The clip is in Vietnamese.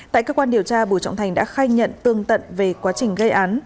tại cơ quan điều tra bùi trọng thành đã khai nhận tương tận về quá trình gây án